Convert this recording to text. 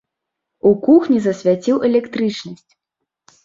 У кухні засвяціў электрычнасць.